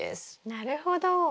なるほど。